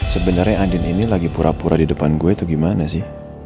sebenarnya andin ini lagi pura pura di depan gue atau gimana sih